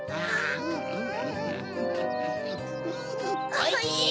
おいしい！